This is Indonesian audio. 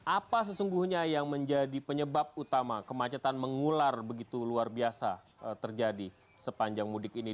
apa sesungguhnya yang menjadi penyebab utama kemacetan mengular begitu luar biasa terjadi sepanjang mudik ini